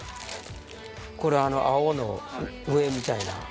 これ青の上みたいな。